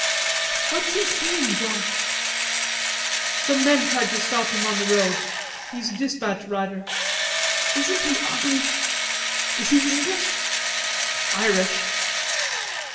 "What's he saying, Jean?" "Some men tried to stop him on the road. He's a despatch rider." "Isn't he ugly? Is he English?" "Irish."